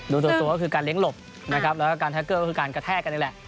ส่วนตัวก็คือการเลี้ยงหลบนะครับแล้วก็การแท็กเกอร์ก็คือการกระแทกกันนี่แหละ